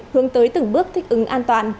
hướng tới từng bước thích ứng an toàn